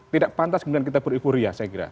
tidak pantas kemudian kita ber euforia saya kira